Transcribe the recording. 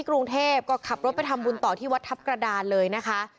กรุงเทพก็ขับรถไปทำบุญต่อที่วัดทัพกระดานเลยนะคะ